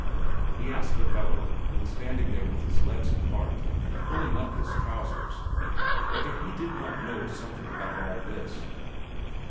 He asked the fellow, who was standing there with his legs apart, pulling up his trousers, whether he did not know something about all this.